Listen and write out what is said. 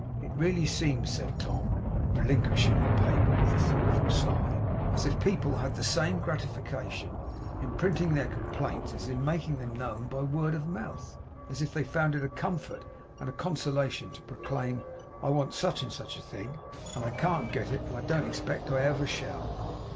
It really seems,' said Tom, relinquishing the paper with a thoughtful sigh, 'as if people had the same gratification in printing their complaints as in making them known by word of mouth; as if they found it a comfort and consolation to proclaim "I want such and such a thing, and I can't get it, and I don't expect I ever shall!"